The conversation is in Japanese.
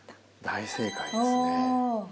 大正解ですね。